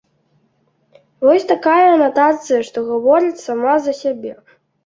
Вось такая анатацыя, што гаворыць сама за сябе.